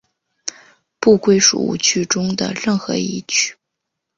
不归属五趣中的任何一趣。